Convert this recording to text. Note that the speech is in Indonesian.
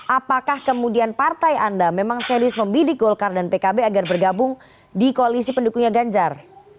apakah kemudian partai anda memang serius memilih golkar dan pkb agar bergabung di koalisi pendukungnya ganjar